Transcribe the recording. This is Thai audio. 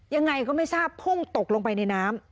ยังไงก็ไม่ทราบพุ่งตกลงไปในน้ำ